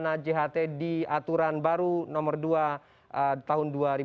dengan polemik pencairan dana jht di aturan baru nomor dua tahun dua ribu dua